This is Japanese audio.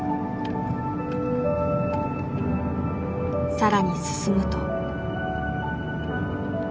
更に進むと。